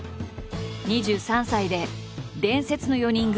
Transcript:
２３歳で伝説の４人組